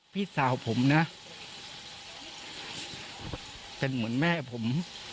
พี่สาวผมนะเป็นเหมือนแม่ผม